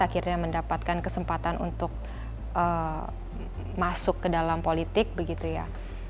akhirnya mendapatkan kesempatan untuk masuk ke dalam politik begitu ya